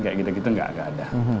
kayak gitu gitu nggak ada